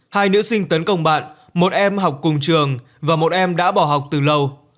hai nữ sinh tấn công bạn một em học cùng trường và một em đã bỏ học từ lâu